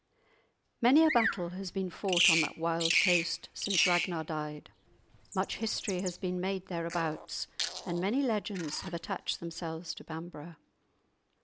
Many a battle has been fought on that wild coast since Ragnar died; much history has been made thereabouts, and many legends have attached themselves to Bamburgh.